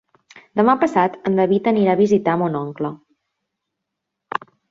Demà passat en David anirà a visitar mon oncle.